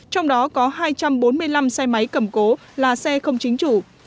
trong đó có hai trăm bốn mươi năm xe máy cầm cố là xe không chính chủ